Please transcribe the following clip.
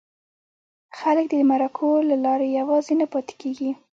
خلک دې د مرکو له لارې یوازې نه پاتې کېږي.